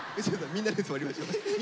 みんなで座りましょ。